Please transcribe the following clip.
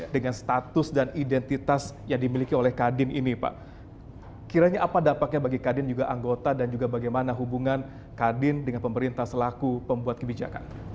dengan status dan identitas yang dimiliki oleh kadin ini pak kiranya apa dampaknya bagi kadin juga anggota dan juga bagaimana hubungan kadin dengan pemerintah selaku pembuat kebijakan